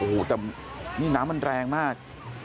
โอ้โหแต่นี่น้ำมันแรงมาก